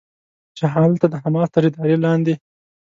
چې هلته د حماس تر ادارې لاندې